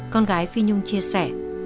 con gái phi nhung chia sẻ